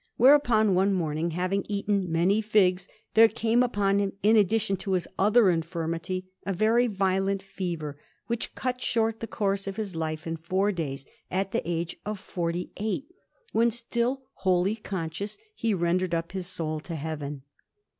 Wherefore one morning, having eaten many figs, there came upon him, in addition to his other infirmity, a very violent fever, which cut short the course of his life in four days, at the age of forty eight; when, still wholly conscious, he rendered up his soul to Heaven.